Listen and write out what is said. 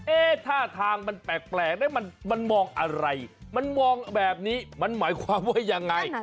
ท่าทางมันแปลกนะมันมองอะไรมันมองแบบนี้มันหมายความว่ายังไง